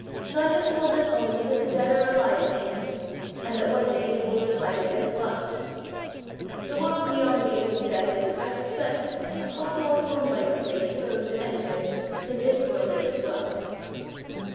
God has told us only that the dead are alive to him, and that one day they will be alive again to us. The world beyond the gates of death is, I suspect, a far more homelike place to those that enter it, than this world is to us.